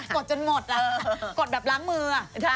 ดจนหมดล่ะกดแบบล้างมือ